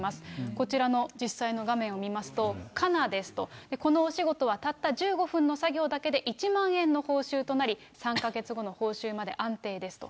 こちらの実際の画面を見ますと、かなですと、このお仕事はたった１５分の作業だけで１万円の報酬となり、３か月後の報酬まで安定ですと。